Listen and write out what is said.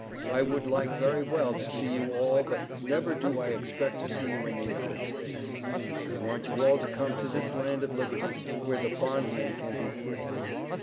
I would like very well to see you all but never do I expect to see you in the United States. I want you all to come to this land of Liberty where the bondman can be free.